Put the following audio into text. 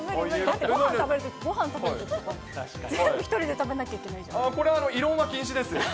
全部一人で食べなきゃいけなこれは異論は禁止です。